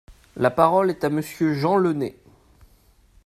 La parole est à Monsieur Jean Launay.